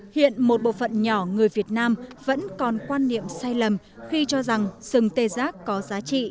hiện một bộ phận nhỏ người việt nam vẫn còn quan niệm sai lầm khi cho rằng sừng tê giác có giá trị